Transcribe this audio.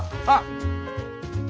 あっ！